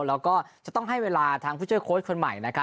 แล้วก็จะต้องให้เวลาทางผู้ช่วยโค้ชคนใหม่นะครับ